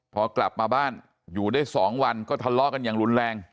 พอกลับมาบ้านอยู่ได้๒วันก็ทะเลาะกันอย่างรุนแรง